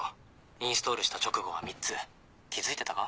インストールした直後は３つ気付いてたか？